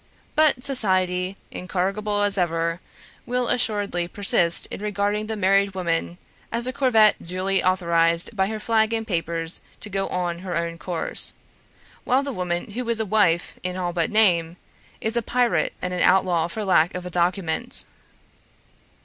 But society, incorrigible as ever, will assuredly persist in regarding the married woman as a corvette duly authorized by her flag and papers to go on her own course, while the woman who is a wife in all but name is a pirate and an outlaw for lack of a document.